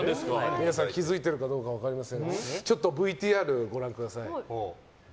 皆さん気づいているかどうか分かりませんがちょっとＶＴＲご覧ください。